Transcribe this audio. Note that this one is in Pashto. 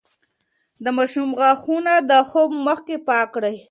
د ماشوم غاښونه د خوب مخکې پاک کړئ.